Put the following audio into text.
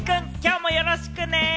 きょうもよろしくね。